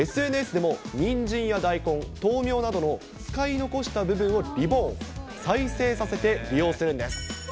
ＳＮＳでもニンジンや大根、豆苗などの使い残した部分をリボーン・再生させて利用するんです。